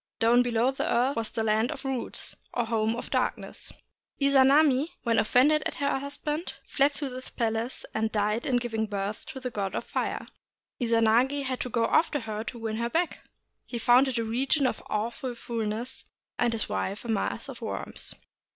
Down below the earth was the Land of Roots, or Home of Darkness. Izanami, when offended at her hus band, fled into this place, and died in giving birth to the god of fire. Izanagi had to go after her to win her back. He found it a region of awful foulness, and his wife a mass of worms.